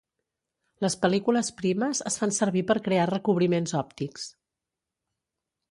Les pel·lícules primes es fan servir per crear recobriments òptics.